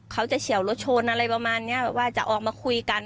เฉียวรถชนอะไรประมาณนี้แบบว่าจะออกมาคุยกัน